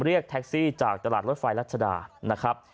เรียกแท็กซี่จากตลาดรถไฟรัชดานะครับ